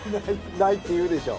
ないって言うでしょ。